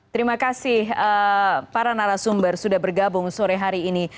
terima kasih para narasumber sudah bergabung sore hari ini